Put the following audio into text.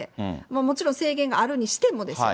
もちろん制限があるにしてもですよ。